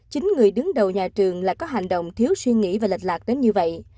chính người đứng đầu nhà trường lại có hành động thiếu suy nghĩ và lệch lạc đến như vậy